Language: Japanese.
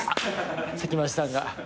関町さんが。